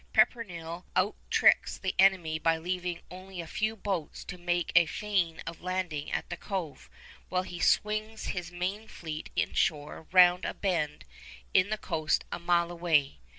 Pepperrell out tricks the enemy by leaving only a few boats to make a feint of landing at the Cove, while he swings his main fleet inshore round a bend in the coast a mile away.